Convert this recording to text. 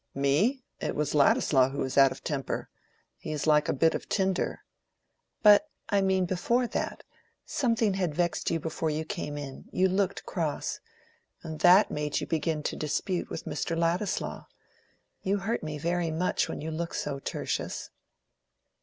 "Me? It was Ladislaw who was out of temper. He is like a bit of tinder." "But I mean, before that. Something had vexed you before you came in, you looked cross. And that made you begin to dispute with Mr. Ladislaw. You hurt me very much when you look so, Tertius."